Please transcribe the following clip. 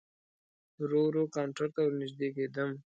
ورو ورو کاونټر ته ور نږدې کېدم.